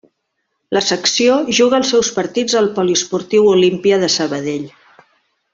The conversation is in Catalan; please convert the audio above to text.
La secció juga els seus partits al Poliesportiu Olímpia de Sabadell.